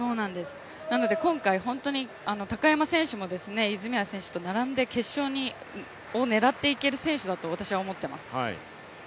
なので今回本当に高山選手も泉谷選手と並んで決勝を狙っていける選手だと私は思っています。